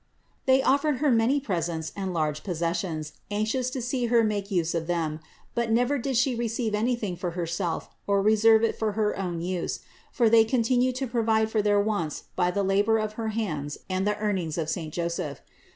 They offered Her many presents and large possessions, anxious to see Her make use of them : but never did She receive any thing for Herself, or reserve it for her own use; for they continued to provide for their wants by the labor of her hands and the earnings of saint Joseph.